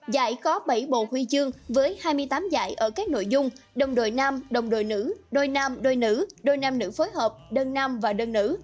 giải có bảy bộ huy chương với hai mươi tám giải ở các nội dung đồng đội nam đồng đôi nữ đôi nam đôi nữ đôi nam nữ phối hợp đơn nam và đơn nữ